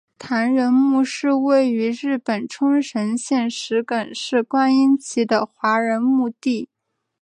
唐人墓是位于日本冲绳县石垣市观音崎的华人墓地。